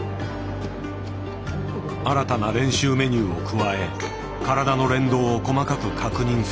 新たな練習メニューを加え体の連動を細かく確認する。